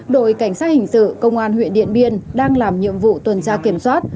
đội cảnh sát hình sự công an huyện điện biên đang làm nhiệm vụ tuần tra kiểm soát